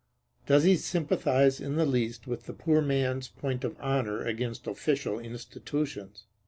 Does he sympathize in the least with the poor man's point of honor against official institutions?